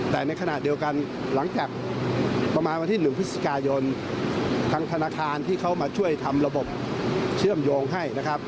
แต่ในขณะเดียวกันหลังจากประมาณวันที่๑พฤศจิกายนทางธนาคารที่เขามาช่วยทำระบบเชื่อมโยงให้นะครับ